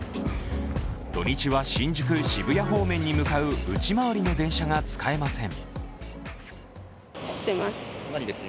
土日は新宿・渋谷方面に向かう内回りの電車が使えません。